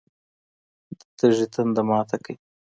د تږي تنده ماته کړئ.